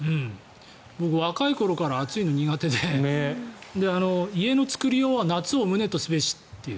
僕、若い頃から暑いのが苦手で家の作りようは夏を旨とすべしという。